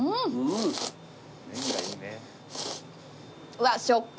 うわ食感